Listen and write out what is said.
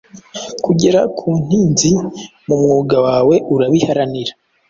kugera ku ntinzi mu mwuga wawe urabiharanira